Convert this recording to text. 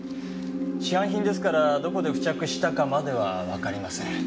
市販品ですからどこで付着したかまではわかりません。